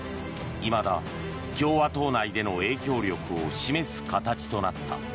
いまだ共和党内での影響力を示す形となった。